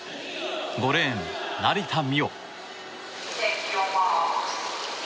５レーン、成田実生。